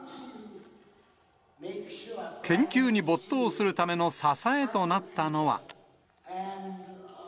研究に没頭するための支えとなったのは。